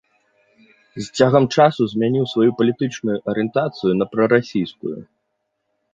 З цягам часу змяніў сваю палітычную арыентацыю на прарасійскую.